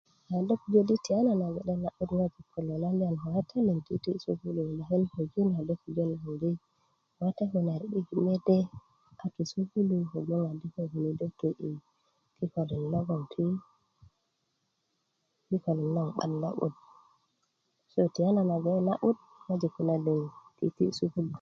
yani do pujö naŋ di tiyanan ŋojik nawate ko luwalian tiki i sukulu lakin koju na do pujö naŋ di wate kune a ri'diki mede a tu sukulu kobgoŋ adi ko kunu de tu i kikölin logon 'ban lo'but tiyanana ŋojik kune liŋ tiki i sukulu